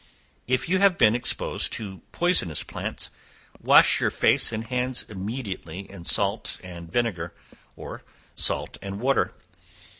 If you have been exposed to poisonous plants, wash your face and hands immediately in salt and vinegar, or salt and water.